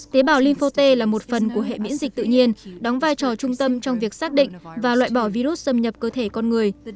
tế bào lympho t là một phần của hệ miễn dịch tự nhiên đóng vai trò trung tâm trong việc xác định và loại bỏ virus xâm nhập cơ thể con người